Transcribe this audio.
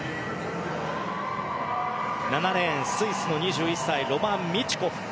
７レーン、スイスの２１歳ロマン・ミチュコフ。